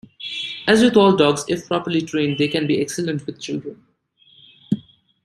As with all dogs, if properly trained, they can be excellent with children.